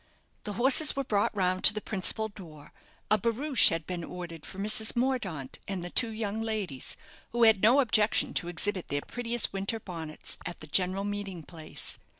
The horses were brought round to the principal door; a barouche had been ordered for Mrs. Mordaunt and the two young ladies, who had no objection to exhibit their prettiest winter bonnets at the general meeting place.